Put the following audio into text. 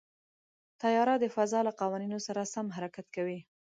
طیاره د فضا له قوانینو سره سم حرکت کوي.